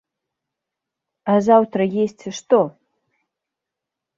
А заўтра есці што?